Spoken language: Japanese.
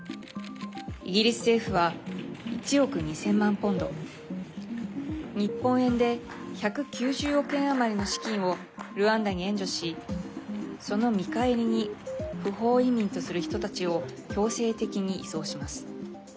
イギリス政府は１億２０００万ポンド日本円で１９０億円余りの資金をルワンダに援助しその見返りに不法移民とする人たちを強制的に移送します。